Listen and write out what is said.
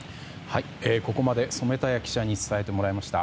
ここまで染田屋記者に伝えてもらいました。